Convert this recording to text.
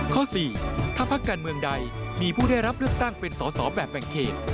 ข้อ๔ถ้าพักการเมืองใดมีผู้ได้รับเลือกตั้งเป็นสอสอแบบแบ่งเขต